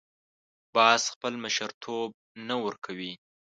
باز خپل مشرتوب نه ورکوي